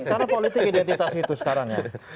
karena politik identitas itu sekarang ya